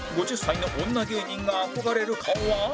５０歳の女芸人が憧れる顔は？